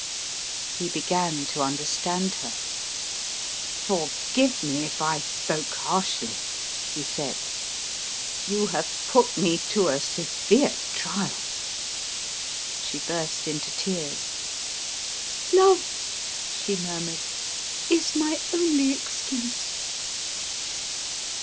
He began to understand her. "Forgive me if I spoke harshly," he said. "You have put me to a severe trial." She burst into tears. "Love," she murmured, "is my only excuse."